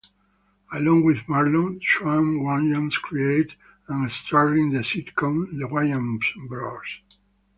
Along with Marlon, Shawn Wayans created and starred in the sitcom "The Wayans Bros".